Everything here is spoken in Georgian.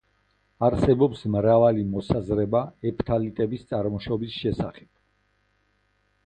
არსებობს მრავალი მოსაზრება ეფთალიტების წარმოშობის შესახებ.